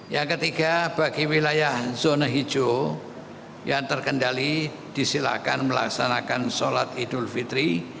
yang ketiga bagi wilayah zona hijau yang terkendali disilakan melaksanakan sholat idul fitri